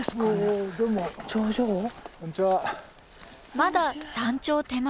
まだ山頂手前。